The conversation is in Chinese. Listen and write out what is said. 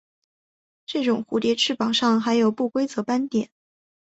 这种蝴蝶翅膀上的还有不规则斑点。